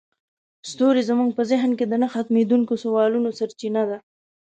ستوري زموږ په ذهن کې د نه ختمیدونکي سوالونو سرچینه ده.